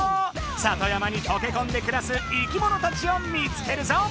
里山にとけこんでくらす生きものたちを見つけるぞ！